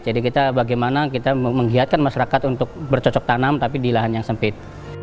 jadi kita bagaimana kita menghiatkan masyarakat untuk bercocok tanam tapi di lahan yang sempit